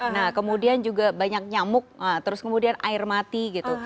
nah kemudian juga banyak nyamuk terus kemudian air mati gitu